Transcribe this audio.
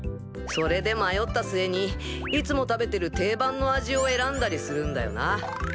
それで迷った末にいつも食べてる定番の味を選んだりするんだよな。